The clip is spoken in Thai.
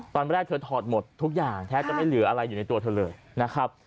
ตอนแรกเธอถอดหมดทุกอย่างแทบจะไม่เหลืออะไรอยู่ในตัวเธอเลยนะครับ